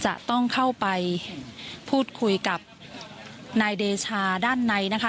จะต้องเข้าไปพูดคุยกับนายเดชาด้านในนะคะ